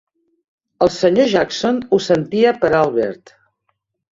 El senyor Jackson ho sentia per Albert.